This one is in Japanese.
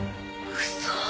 嘘。